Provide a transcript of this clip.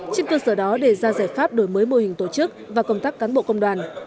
trên cơ sở đó đề ra giải pháp đổi mới mô hình tổ chức và công tác cán bộ công đoàn